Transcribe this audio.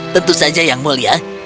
tentu saja yang mulia